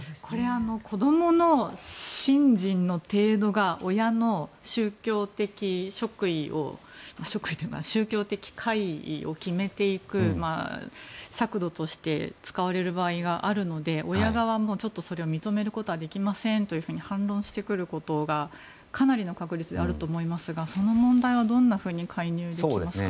子供の信心の程度が親の宗教的乖離を決めていく尺度として使われる場合があるので親側もそれを認めることはできませんと反論してくることがかなりの確率であると思いますがその問題はどんなふうに介入できますか？